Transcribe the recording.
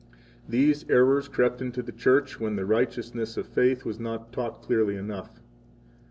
These errors crept into the Church when the righteousness of faith was not taught clearly enough.